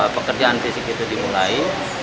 pekerjaan fisik itu dimulai